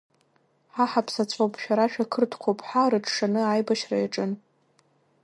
Ҳа ҳаԥсацәоуп шәара шәақырҭқәоуп ҳәа рыҽшаны аибашьра иаҿын…